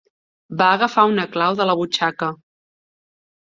Va agafar una clau de la butxaca.